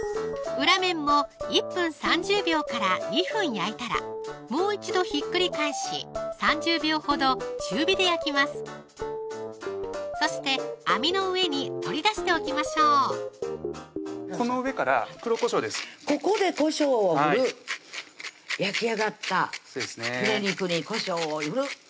裏面も１分３０秒２分焼いたらもう一度ひっくり返し３０秒ほど中火で焼きますそして網の上に取り出しておきましょうこの上から黒こしょうです